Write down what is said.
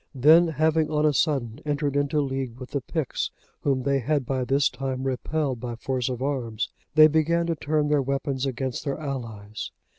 Then, having on a sudden entered into league with the Picts, whom they had by this time repelled by force of arms, they began to turn their weapons against their allies.